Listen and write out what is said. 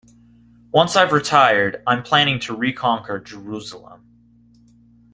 Once I've retired, I'm planning to reconquer Jerusalem.